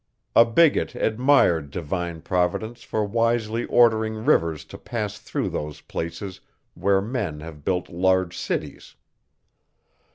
A bigot admired divine Providence for wisely ordering rivers to pass through those places, where men have built large cities.